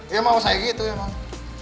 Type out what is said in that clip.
ya mau saya gitu ya mau